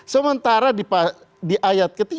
sementara di ayat ke tiga